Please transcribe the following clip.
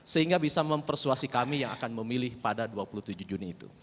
sehingga bisa mempersuasi kami yang akan memilih pada dua puluh tujuh juni itu